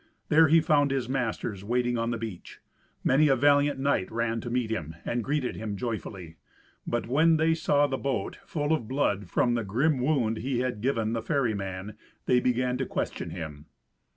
There he found his masters waiting on the beach. Many a valiant knight ran to meet him, and greeted him joyfully. But when they saw the boat full of blood from the grim wound he had given the ferryman, they began to question him.